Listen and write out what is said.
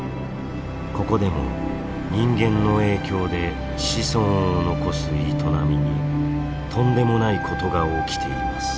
ここでも人間の影響で子孫を残す営みにとんでもないことが起きています。